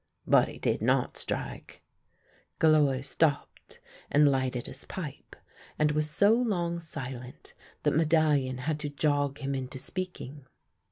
But he did not strike." Galloir stopped, and lighted his pipe, and was so long silent that Medallion had to jog him into speaking.